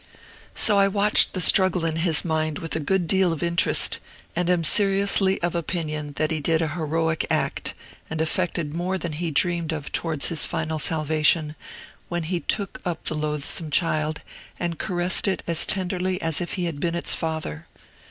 So I watched the struggle in his mind with a good deal of interest, and am seriously of opinion that he did an heroic act, and effected more than he dreamed of towards his final salvation, when he took up the loathsome child and caressed it as tenderly as if he had been its father.